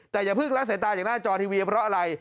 แต่อย่าเพิ่งละสายตาจากหน้าจอทีวีเพราะอะไร